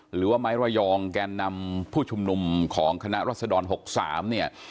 หรือไม้ระยองแก่นำผู้ชุมนุมของคณะรัฐศรี๖๓